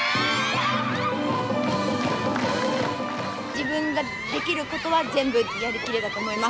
自分ができることは全部やりきれたと思います。